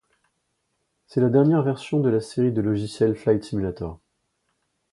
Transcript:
C'est la dernière version de la série de logiciels Flight Simulator.